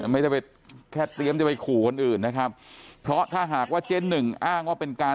ไม่ได้ไปแค่เตรียมจะไปขู่คนอื่นนะครับเพราะถ้าหากว่าเจ๊หนึ่งอ้างว่าเป็นการ